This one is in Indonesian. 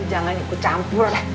ini jangan ikut campur